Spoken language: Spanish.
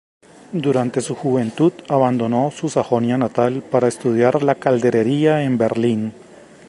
Durante su juventud abandonó su Sajonia natal para estudiar la calderería en Berlín.